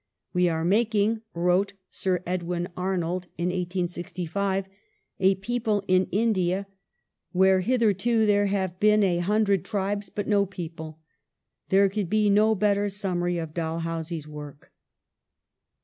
" We are making," wrote Sir Edwin Arnold in 1865, "a people in India, where hitherto there have been a hundred tribes but no people." ^ There could be no better summary of Dalhousie's work.